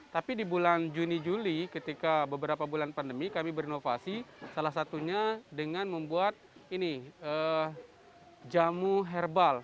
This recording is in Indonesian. tapi di bulan juni juli ketika beberapa bulan pandemi kami berinovasi salah satunya dengan membuat ini jamu herbal